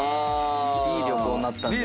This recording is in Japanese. いい旅行になったんじゃない？